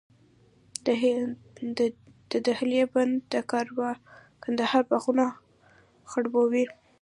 د دهلې بند د کندهار باغونه خړوبوي.